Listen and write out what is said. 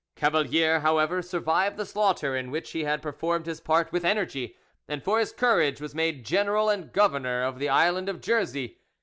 Cavalier, however, survived the slaughter, in which he had performed his part with energy; and for his courage was made general and governor of the island of Jersey.